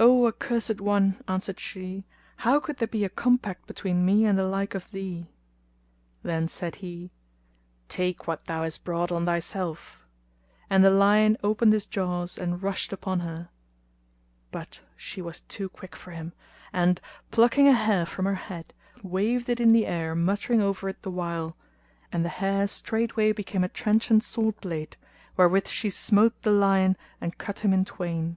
"O accursed one," answered she, "how could there be a compact between me and the like of thee?" Then said he, "Take what thou has brought on thyself;" and the lion opened his jaws and rushed upon her; but she was too quick for him; and, plucking a hair from her head, waved it in the air muttering over it the while; and the hair straightway became a trenchant sword blade, wherewith she smote the lion and cut him in twain.